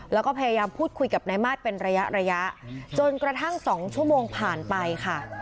แล้วก็พยายามพูดคุยกับนายมาสเป็นระยะระยะจนกระทั่ง๒ชั่วโมงผ่านไปค่ะ